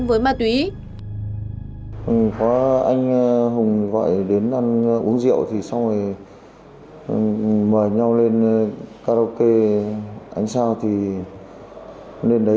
với ma túy có anh hùng gọi đến ăn uống rượu thì xong rồi mời nhau lên karaoke ánh sao thì lên đấy